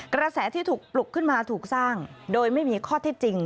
กระแสที่ถูกปลุกขึ้นมาถูกสร้างโดยไม่มีข้อที่จริง